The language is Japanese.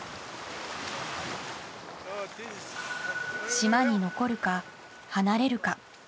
島に残るか、離れるか。